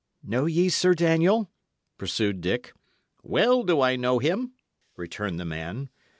"Know ye Sir Daniel?" pursued Dick. "Well do I know him," returned the man.